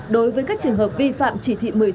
đối với các trường hợp vi phạm chỉ thị một mươi sáu